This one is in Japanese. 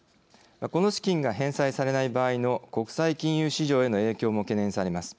この資金が返済されない場合の国際金融市場への影響も懸念されます。